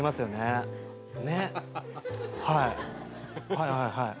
はいはいはい。